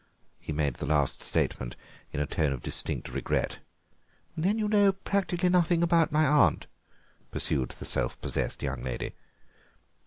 He made the last statement in a tone of distinct regret. "Then you know practically nothing about my aunt?" pursued the self possessed young lady.